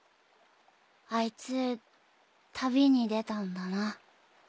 あいつ旅に出たんだな。